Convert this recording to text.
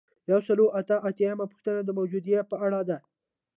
یو سل او اته اتیایمه پوښتنه د موجودیې په اړه ده.